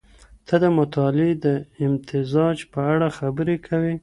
ته د مطالعې د امتزاج په اړه خبري کوې.